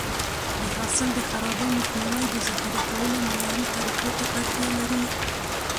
د حاصل د خرابي مخنیوی د ذخیره کولو معیاري طریقو ته اړتیا لري.